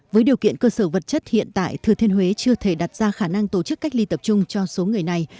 với điều kiện cơ sở vật chất hiện tại thừa thiên huế chưa thể đặt ra khả năng tổ chức cách ly tập trung cho số người này